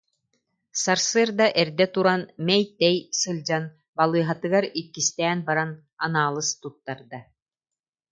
Сарсыарда эрдэ туран, мэй-тэй сылдьан балыыһатыгар иккистээн баран анаалыс туттарда